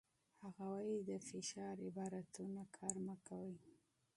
هغه وايي، د فشار عبارتونه کار مه کوئ.